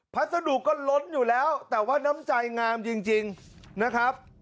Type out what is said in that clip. พัสดุก็ล้นอยู่แล้วแต่ว่าน้ำใจงามจริงนะครับ